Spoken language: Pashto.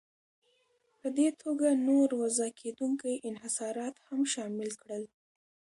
په دې توګه نور وضع کېدونکي انحصارات هم شامل کړل.